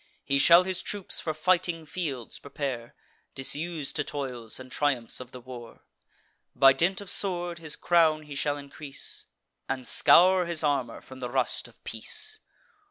He shall his troops for fighting fields prepare, Disus'd to toils, and triumphs of the war. By dint of sword his crown he shall increase, And scour his armour from the rust of peace.